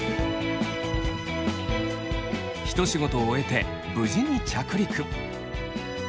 一仕事終えて無事に着陸。